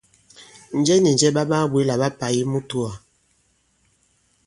Njɛ nì njɛ ɓa ɓaa-bwě là ɓa pà i mutōwà?